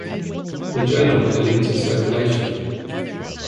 The journal had a limited circulation.